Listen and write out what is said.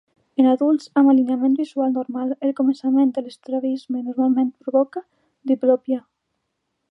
En adults amb alineament visual normal, el començament de l'estrabisme normalment provoca diplopia.